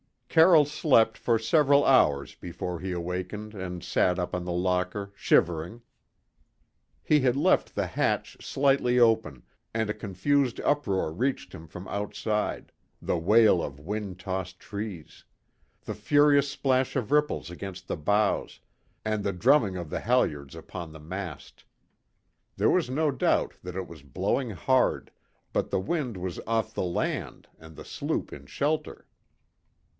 Carroll slept for several hours before he awakened and sat up on the locker, shivering. He had left the hatch slightly open, and a confused uproar reached him from outside the wail of wind tossed trees; the furious splash of ripples against the bows; and the drumming of the halliards upon the mast. There was no doubt that it was blowing hard; but the wind was off the land, and the sloop in shelter.